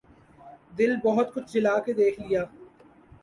دل بہت کچھ جلا کے دیکھ لیا